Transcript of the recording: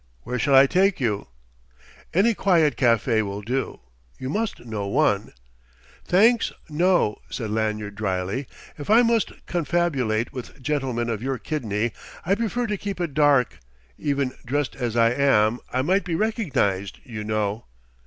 Where shall I take you?" "Any quiet café will do. You must know one " "Thanks no," said Lanyard dryly. "If I must confabulate with gentlemen of your kidney, I prefer to keep it dark. Even dressed as I am, I might be recognized, you know."